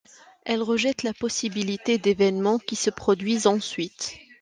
Elles rejettent la possibilité d’événements qui se produisent ensuite.